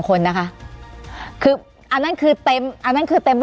การแสดงความคิดเห็น